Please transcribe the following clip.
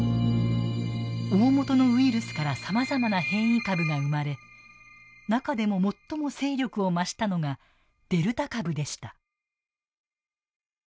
おおもとのウイルスからさまざまな変異株が生まれ中でも最も勢力を増したのがデルタ株でした。